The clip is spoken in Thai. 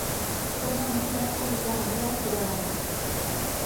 ประธานคณะกรรมการราษฎร